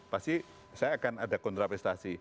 pasti saya akan ada kontrapestasi